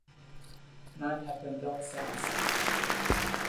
None have been built since.